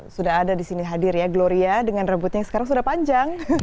sudah ada di sini hadir ya gloria dengan rebutnya yang sekarang sudah panjang